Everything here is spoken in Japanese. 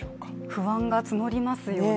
不安が募りますよね。